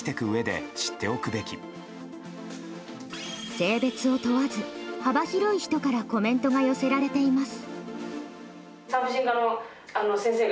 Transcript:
性別を問わず幅広い人からコメントが寄せられています。